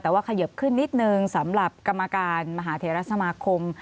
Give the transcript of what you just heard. แต่ว่าเขยิบขึ้นนิดนึงสำหรับกรรมการมหาเทรสมาคม